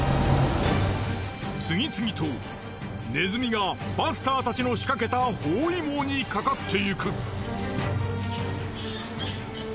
次々とネズミがバスターたちの仕掛けた包囲網にかかっていく。